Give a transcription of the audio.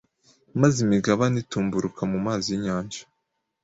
maze imigabane itumburuka mu mazi y’inyanja.